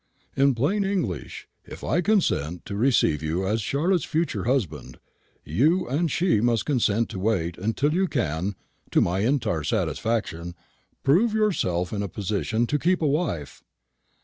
In plain English, if I consent to receive you as Charlotte's future husband, you and she must consent to wait until you can, to my entire satisfaction, prove yourself in a position to keep a wife."